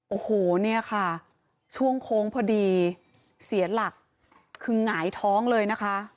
โอ้โหเนี่ยค่ะช่วงโค้งพอดีเสียหลักคือหงายท้องเลยนะคะ